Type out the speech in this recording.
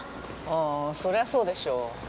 あそりゃそうでしょ。